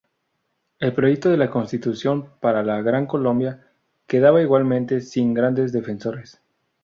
El proyecto de la constitución para la Gran Colombia quedaba igualmente sin grandes defensores.